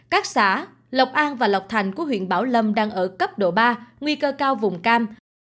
các xã lộc an và lộc thành của huyện bảo lâm đang ở cấp độ ba nguy cơ cao vùng cam